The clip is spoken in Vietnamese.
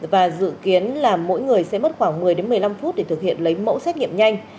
và dự kiến là mỗi người sẽ mất khoảng một mươi một mươi năm phút để thực hiện lấy mẫu xét nghiệm nhanh